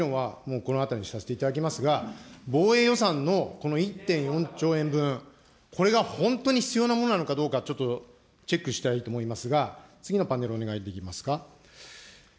この議論は、もうこのあたりにさせていただきますが、防衛予算のこの１．４兆円分、これが本当に必要なものなのかどうか、チェックしたいと思いますが、次のパネルをお願いできますか。